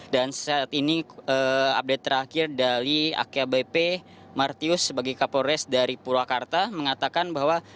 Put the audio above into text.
saat ini update terakhir dari akbp martius sebagai kapolres dari purwakarta mengatakan bahwa